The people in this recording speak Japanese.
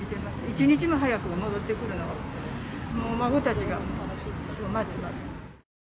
一日も早く戻ってくるのを孫たちが待っています。